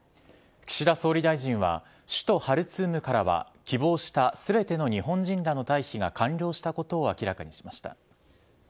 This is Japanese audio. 岸田総理大臣は首都ハルツームからは希望したすべての日本人らの退避が完了したことを明らかにしました。